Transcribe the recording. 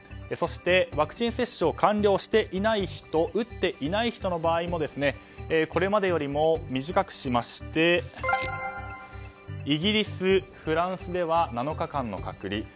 そして、ワクチン接種を完了していない人打っていない人の場合もこれまでよりも短くしましてイギリス、フランスでは７日間の隔離。